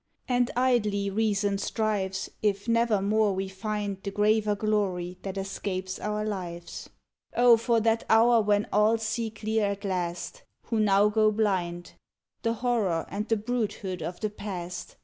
And idly Reason strives, If nevermore we find The graver glory that escapes our lives. Oh ! for that hour when all see clear at last, 97 ODE ON THE OPENING OF Who now go blind, The horror and the brutehood of the Past!